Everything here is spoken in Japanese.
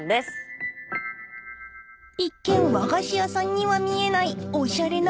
［一見和菓子屋さんには見えないおしゃれな外観］